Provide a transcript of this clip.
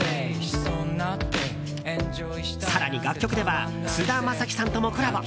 更に楽曲では菅田将暉さんともコラボ。